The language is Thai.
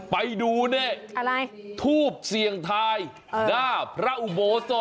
ไปดูเน่ทูปเสียงทายด้าพระอุโบสถ